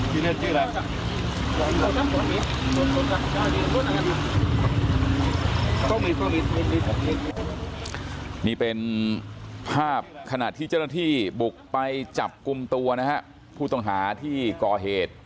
ว่ามีเป็นภาพขณะที่เจ้าหน้าที่บุคไปจับกลุ่มตัวนะพูดตามฐานที่ก็เหตุ